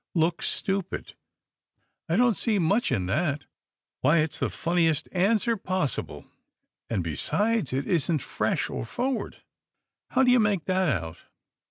"Look stupid." "I don't see much in that." "Why, it's the funniest answer possible; and, besides, it isn't fresh or forward." "How do you make that out?"